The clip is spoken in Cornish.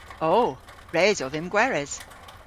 O! Res o dhymm gweres.